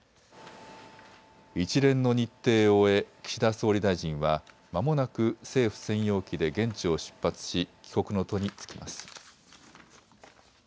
一連の日程を終え岸田総理大臣はまもなく政府専用機で現地を出発し帰国の途に就きます。